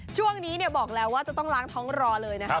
ช่วงนี้บอกแล้วว่าจะต้องล้างท้องรอเลยนะครับ